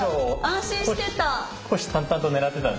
安心してた。